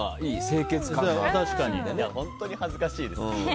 本当に恥ずかしいです。